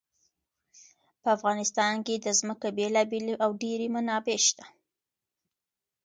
په افغانستان کې د ځمکه بېلابېلې او ډېرې منابع شته.